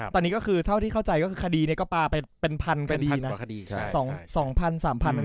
ตอนนี้ก็คือเท่าที่เข้าใจก็คือคดีนี้ก็ปลาไปเป็นพันคดีนะ